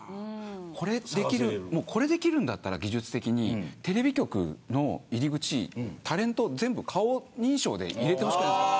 これ技術的にできるんだったらテレビ局の入り口タレントを全部、顔認証で入れてほしくないですか。